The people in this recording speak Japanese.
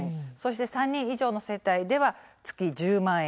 ３人以上の世帯では月１０万円